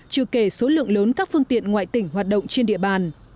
trừ kể số lượng lớn các phương tiện ngoại tỉnh hoạt động trên địa bàn